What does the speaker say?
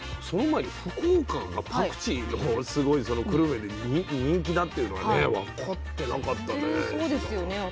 その前に福岡がパクチーのすごいその久留米で人気だっていうのがね分かってなかったね。